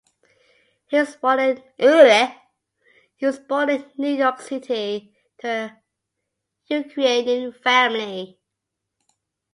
He was born in New York City to a Ukrainian family.